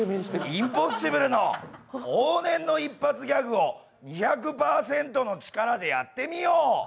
インポッシブルの往年の一発ギャグを２００％の力でやってみよう！